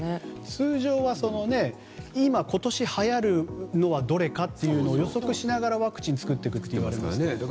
通常は今年はやるのはどれかっていうのを予測しながらワクチンを作っていくといいますからね。